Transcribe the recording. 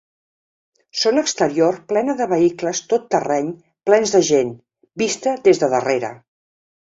Zona exterior plena de vehicles tot terreny plens de gent, vista des de darrere.